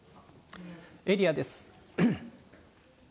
エリアです。